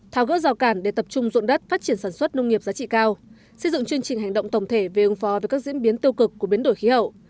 tháo gỡ rào cản để tập trung dụng đất phát triển sản xuất nông nghiệp giá trị cao xây dựng chương trình hành động tổng thể về ứng phó với các diễn biến tiêu cực của biến đổi khí hậu